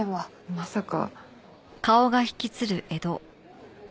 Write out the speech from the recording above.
まさか。